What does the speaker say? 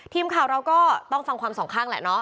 ทีมข่าวเราก็ต้องฟังความสองข้างแหละเนาะ